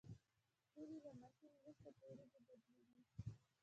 شولې له ماشین وروسته په وریجو بدلیږي.